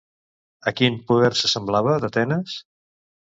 A quin poder s'assemblava d'Atenes?